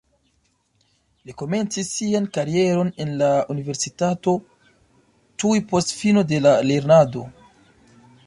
Li komencis sian karieron en la universitato tuj post fino de la lernado.